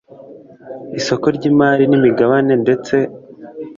isoko ry imari n imigabane ndetse